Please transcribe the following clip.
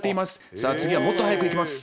さあ次はもっと速くいきます。